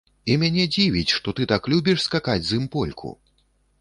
І мяне дзівіць, што ты так любіш скакаць з ім польку.